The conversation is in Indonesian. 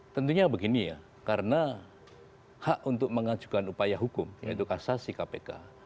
tentunya begini ya karena hak untuk mengajukan upaya hukum yaitu kasasi kpk